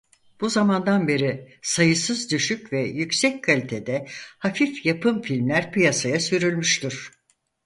Bu zamandan beri sayısız düşük ve yüksek kalitede hafif yapım filmler piyasaya sürülmüştür.